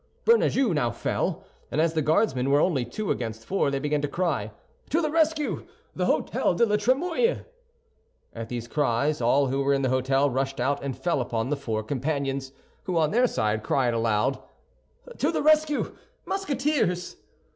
Bernajoux now fell, and as the Guardsmen were only two against four, they began to cry, "To the rescue! The Hôtel de la Trémouille!" At these cries, all who were in the hôtel rushed out and fell upon the four companions, who on their side cried aloud, "To the rescue, Musketeers!"